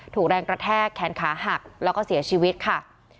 แรงกระแทกแขนขาหักแล้วก็เสียชีวิตค่ะ